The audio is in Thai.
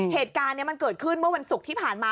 เหตุการณ์นี้มันเกิดขึ้นเมื่อวันศุกร์ที่ผ่านมา